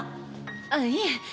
あっいえ。